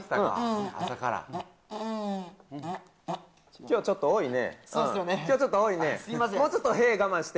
きょう、ちょっと多いね。